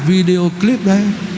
video clip đấy